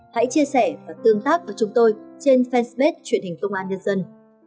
hãy chia sẻ và tương tác với chúng tôi trên fanpage truyền hình công an nhân dân